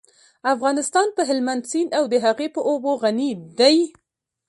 افغانستان په هلمند سیند او د هغې په اوبو غني دی.